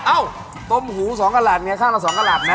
อ้าวต้มหูสองกระหลัดเนี่ยข้างล่ะสองกระหลัดนะ